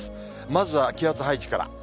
まずは気圧配置から。